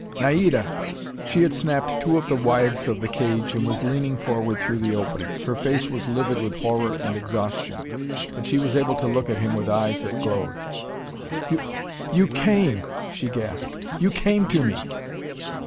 "Naida!" She had snapped two of the withes of the cage and was leaning forward through the opening. Her face was livid with horror and exhaustion, but she was able to look at him with eyes that glowed. "You you came!" she gasped. "You came to me!"